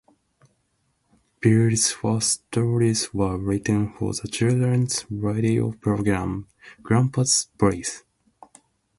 Beale's first stories were written for the children's radio programme "Grandpa's Place".